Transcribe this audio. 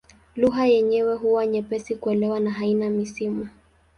Lugha yenyewe huwa nyepesi kuelewa na haina misimu.